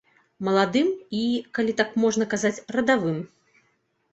Маладым і, калі так можна казаць, радавым.